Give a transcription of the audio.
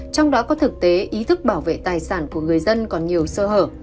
trong đó có thực tế ý thức bảo vệ tài sản của người dân còn nhiều sơ hở